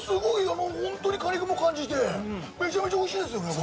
果肉も感じて、めちゃめちゃおいしいですよね。